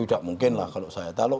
itu tidak mungkin lah kalau saya tahu